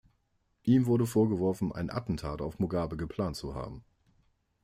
Ihm wurde vorgeworfen, ein Attentat auf Mugabe geplant zu haben.